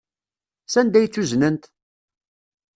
Sanda ay tt-uznent?